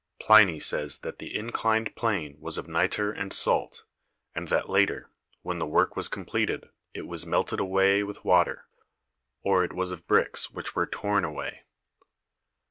Pliny says that the inclined plane was of nitre and salt, and that later, when the work was completed, it was melted away with water, or it was of bricks which were torn away.